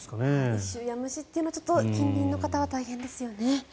異臭や虫というのは近隣の方は大変ですよね。